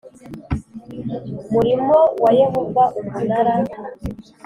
Murimo wa yehova umunara